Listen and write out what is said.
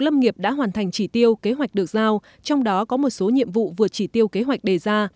lâm nghiệp đã hoàn thành chỉ tiêu kế hoạch được giao trong đó có một số nhiệm vụ vượt chỉ tiêu kế hoạch đề ra